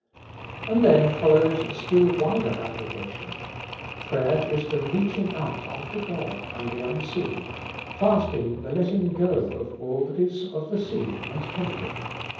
And then follows a still wider application. Prayer is the reaching out after God and the unseen ; fasting, the letdng go of all that is of the seen and temporal.